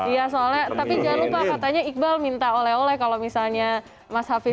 iya soalnya tapi jangan lupa katanya iqbal minta oleh oleh kalau misalnya mas hafiz